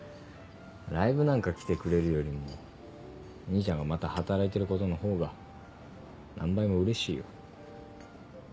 ライブなんか来てくれるよりも兄ちゃんがまた働いてることのほうが何倍も嬉しいよ。